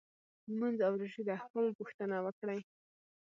لمونځ او روژې د احکامو پوښتنه وکړي.